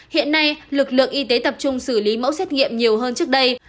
hiện nay lực lượng y tế tập trung xử lý mẫu xét nghiệm nhiều hơn trước đây